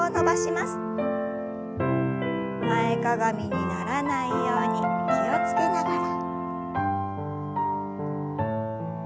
前かがみにならないように気を付けながら。